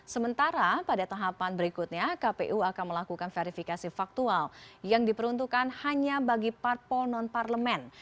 sementara pada tahapan berikutnya kpu akan melakukan verifikasi faktual yang diperuntukkan hanya bagi parpol non parlemen